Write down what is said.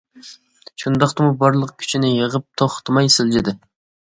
شۇنداقتىمۇ بارلىق كۈچىنى يىغىپ توختىماي سىلجىدى.